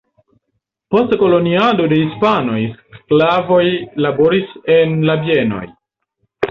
Post koloniado de hispanoj sklavoj laboris en la bienoj.